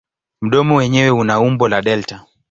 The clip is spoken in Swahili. Mdomo wenyewe una umbo la delta.